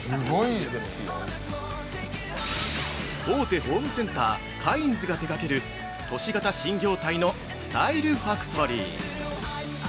大手ホームセンター、カインズが手がける都市型新業態のスタイルファクトリー。